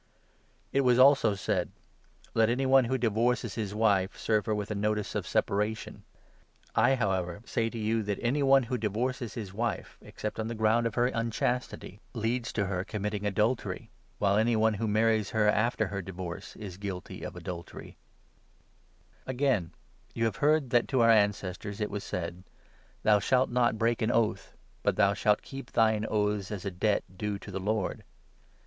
on It was also said —' Let any one who divorces his wife serve her with a notice of separation.' I, however, say to you that any one who divorces his wife, except on the ground of her unchastity, leads to her 1 Exod. ao. 13 ; Enoch 27. 2 ; 90. 26, 27. 27 Exod. to. 14. 3l Deut. 24. 3. MATTHEW, 5 6. 51 committing adultery ; while any one who marries her after her divorce is guilty of adultery. on Again, you have heard that to our ancestors it 33 oaths, was said —' Thou shalt not break an oath, but thou shalt keep thine oaths as a debt due to the Lord.'